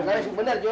pak pur gue bisa saja